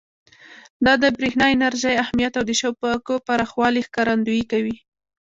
دا د برېښنا انرژۍ اهمیت او د شبکو پراخوالي ښکارندویي کوي.